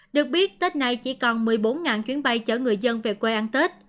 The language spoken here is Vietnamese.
được biết tết này chỉ còn một mươi bốn chuyến bay chở người dân về quê ăn tết